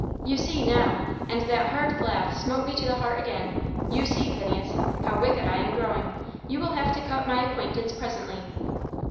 "You see, now" and that hard laugh smote me to the heart again "you see, Phineas, how wicked I am growing. You will have to cut my acquaintance presently."